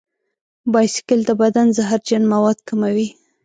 بایسکل د بدن زهرجن مواد کموي.